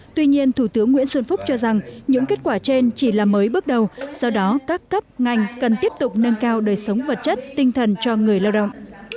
tuy nhiên thủ tướng nguyễn xuân phúc cho rằng những kết quả trên chỉ là mới bước đầu do đó các cấp ngành cần tiếp tục nâng cao đời sống vật chất tinh thần cho người lao động